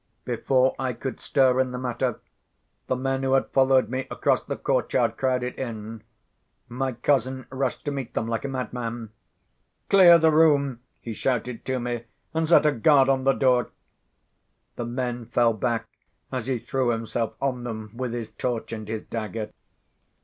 Before I could stir in the matter, the men who had followed me across the courtyard crowded in. My cousin rushed to meet them, like a madman. "Clear the room!" he shouted to me, "and set a guard on the door!" The men fell back as he threw himself on them with his torch and his dagger.